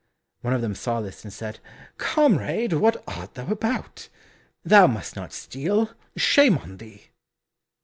One of them saw this, and said, "Comrade, what art thou about? Thou must not steal shame on thee!"